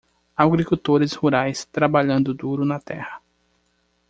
Agricultores rurais trabalhando duro na terra